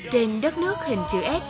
trên đất nước hình chữ s